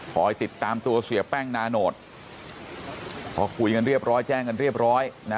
คอยติดตามตัวเสียแป้งนาโนตพอคุยกันเรียบร้อยแจ้งกันเรียบร้อยนะ